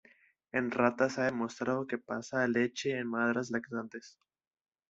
En ratas se ha demostrado que pasa a leche en madres lactantes.